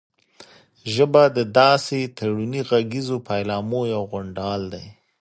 ژبه د داسې تړوني غږیزو پيلامو یو غونډال دی